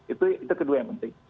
itu kedua yang penting